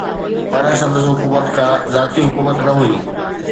پر سندس حڪومت ڪا ذاتي حڪومت نه هئي.